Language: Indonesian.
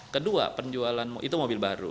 kedua itu mobil baru